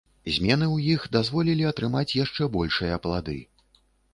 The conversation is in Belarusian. Змены ў іх дазволілі атрымаць яшчэ большыя плады.